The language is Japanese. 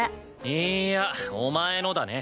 いいやお前のだね。